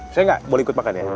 saya nggak boleh ikut makan ya